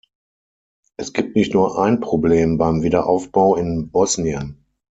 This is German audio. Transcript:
Es gibt nicht nur ein Problem beim Wiederaufbau in Bosnien.